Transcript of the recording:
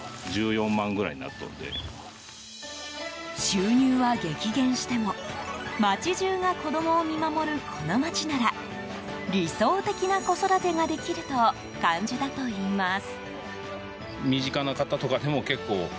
収入は激減しても町中が子供を見守るこの町なら理想的な子育てができると感じたといいます。